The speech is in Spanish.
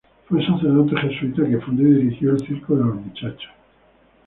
Fue un sacerdote jesuíta que fundó y dirigió el Circo de los Muchachos.